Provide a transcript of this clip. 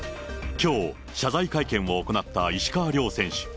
きょう、謝罪会見を行った石川遼選手。